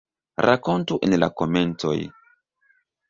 Rakontu en la komentoj!